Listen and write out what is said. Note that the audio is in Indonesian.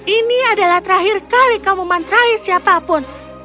ini adalah terakhir kali kamu mantrai siapapun